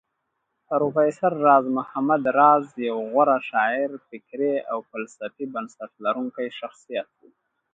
پروفېسر راز محمد راز يو غوره شاعر فکري او فلسفي بنسټ لرونکی شخصيت و